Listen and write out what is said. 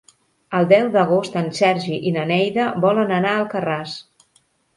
El deu d'agost en Sergi i na Neida volen anar a Alcarràs.